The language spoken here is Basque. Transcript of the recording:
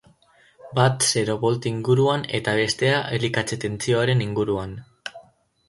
Bat zero volt inguruan eta bestea elikatze tentsioaren inguruan.